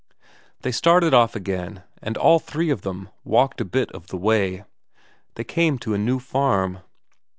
They started off again, and all three of them walked a bit of the way. They came to a new farm.